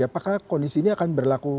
apakah kondisi ini akan menjadi keuntungan